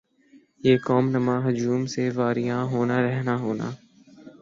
یِہ قوم نما ہجوم سے واریاں ہونا رہنا ہونا